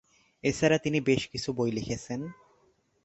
এছাড়া তিনি বেশ কিছু বই লিখেছেন।